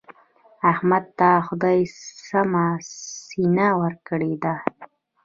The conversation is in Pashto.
احمد ته خدای سمه سینه ورکړې ده.